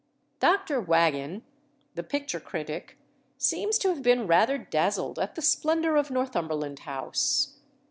Dr. Waagen, the picture critic, seems to have been rather dazzled at the splendour of Northumberland House.